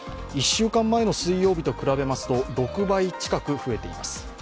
１週間前の水曜日と比べますと、６倍近く増えています。